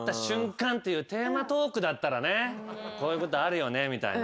こういうことあるよねみたいな。